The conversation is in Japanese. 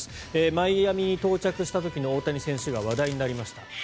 マイアミに到着した時の大谷選手が話題になりました。